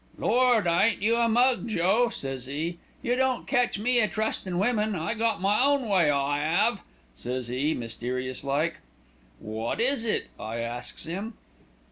"'Lord! ain't you a mug, Joe!' says 'e; 'you don't catch me a trustin' women, I got my own way, I 'ave,' says 'e, mysterious like. "'What is it?' I asks 'im.